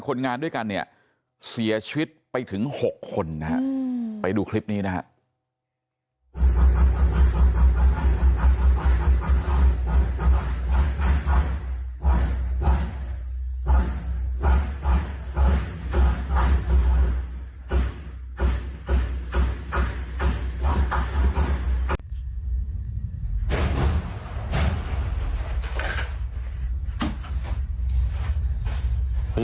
คนงานด้วยกันเนี่ยเสียชีวิตไปถึง๖คนนะฮะไปดูคลิปนี้นะครับ